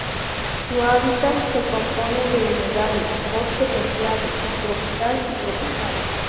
Su hábitat se compone de humedales, bosque templado, subtropical y tropical.